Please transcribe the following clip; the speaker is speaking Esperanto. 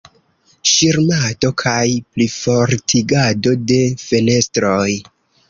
Ŝirmado kaj plifortigado de fenestroj.